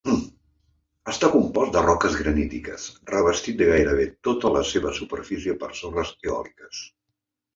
Està compost de roques granítiques, revestit en gairebé tota la seva superfície per sorres eòliques.